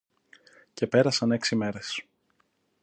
Και πέρασαν έξι μέρες